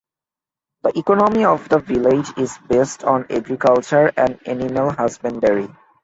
The economy of the village is based on agriculture and animal husbandry.